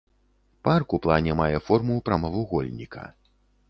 Парк у плане мае форму прамавугольніка.